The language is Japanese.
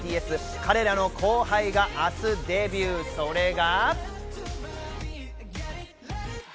彼らの後輩が明日デビュー、それが。